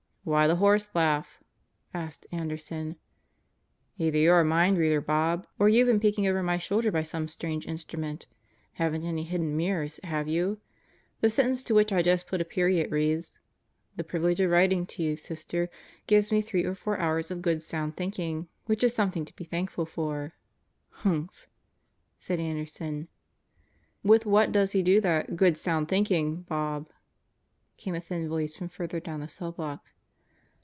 "Why the horselaugh?" asked Anderson. "Either you're a mindreader, Bob, or you've been peeking over my shoulder by some strange instrument. Haven't any hidden mirrors, have you? The sentence to which I just put a period reads: 'The privilege of writing to you, Sister, gives me three or four hours of good sound thinking, which is something to be thankful for.' " "Humph!" said Anderson. "With what does he do that e good sound thinking/ Bob?" came a thin voice from further down the cell block.